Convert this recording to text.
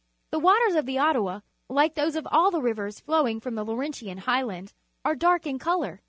The waters of the Ottawa, Uke those of all the rivers flowing from the Laurentian Highland, are dark in colour.